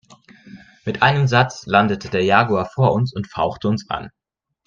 Mit einem Satz landete der Jaguar vor uns und fauchte uns an.